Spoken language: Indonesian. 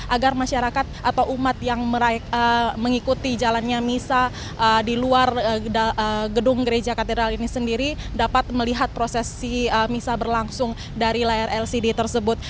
agar masyarakat atau umat yang mengikuti jalannya misa di luar gedung gereja katedral ini sendiri dapat melihat prosesi misa berlangsung dari layar lcd tersebut